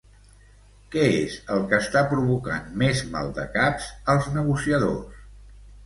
Què és el que està provocant més maldecaps als negociadors?